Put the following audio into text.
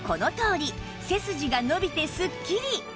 背筋が伸びてすっきり！